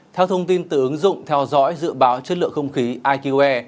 theo thông tin từ ứng dụng theo dõi dự báo chất lượng không khí iqe